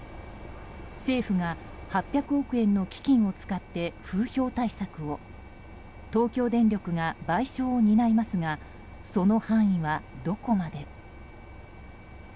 政府が８００億円の基金を使って風評対策を東京電力が賠償を担いますがその範囲は、どこまで。